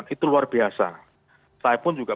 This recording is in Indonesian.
itu luar biasa saya pun juga